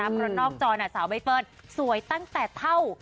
เพราะนอกจอสาวใบเฟิร์นสวยตั้งแต่เท่า